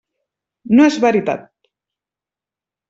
No és veritat!